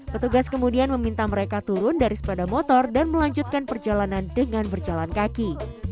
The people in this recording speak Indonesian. petugas kemudian meminta mereka turun dari sepeda motor dan melanjutkan perjalanan dengan berjalan kaki